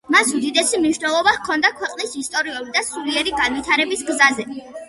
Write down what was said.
მას უდიდესი მნიშვნელობა ჰქონდა ქვეყნის ისტორიული და სულიერი განვითარების გზაზე.